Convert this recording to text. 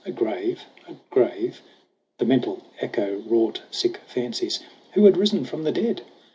A grave a grave the mental echo wrought Sick fancies ! Who had risen from the dead